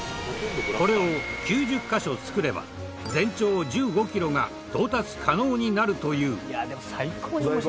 これを９０カ所作れば全長１５キロが到達可能になるという。